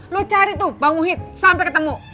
lo cari tuh bang muhid sampe ketemu